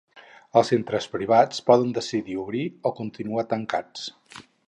Els centres privats poden decidir obrir o continuar tancats.